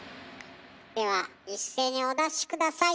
では一斉にお出し下さい。